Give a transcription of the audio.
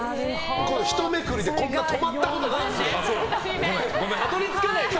ひとめくりでこんな止まったことない。